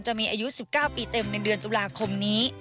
จะมีอายุ๑๙ปีเต็มในเดือนตุลาคมนี้